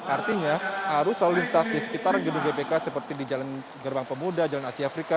artinya arus lalu lintas di sekitar gedung gbk seperti di jalan gerbang pemuda jalan asia afrika